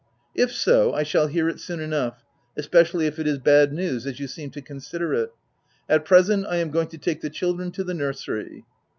" If so, I shall hear it soon enough — espe cially if it is bad news, as you seem to consider it. At present, I am going to take the children to the nursery.'